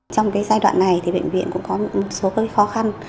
trong giai đoạn này thì bệnh viện cũng có một số khó khăn